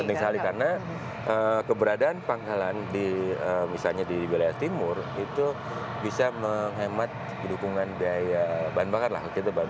penting sekali karena keberadaan pangkalan di misalnya di wilayah timur itu bisa menghemat dukungan bahan bakar lah